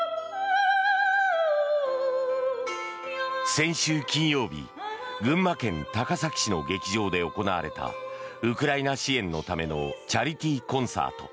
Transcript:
先週金曜日群馬県高崎市の劇場で行われたウクライナ支援のためのチャリティーコンサート。